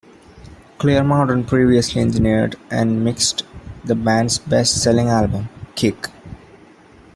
Clearmountain previously engineered and mixed the band's best selling album, "Kick".